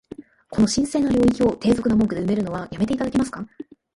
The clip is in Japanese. この神聖な領域を、低俗な文句で埋めるのは止めて頂けますか？